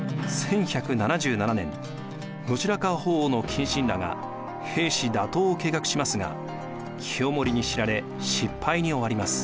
１１７７年後白河法皇の近臣らが平氏打倒を計画しますが清盛に知られ失敗に終わります。